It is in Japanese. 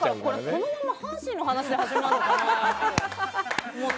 このまま阪神の話で始まるのかなと思って。